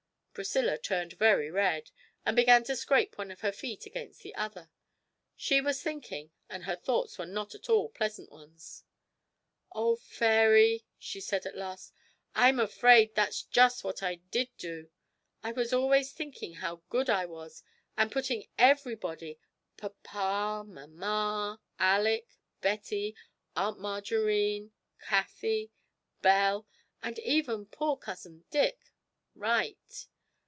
Priscilla turned very red, and began to scrape one of her feet against the other; she was thinking, and her thoughts were not at all pleasant ones. 'Oh, fairy,' she said at last, 'I'm afraid that's just what I did do. I was always thinking how good I was and putting everybody papa, mamma, Alick, Betty, Aunt Margarine, Cathie, Belle, and even poor cousin Dick right!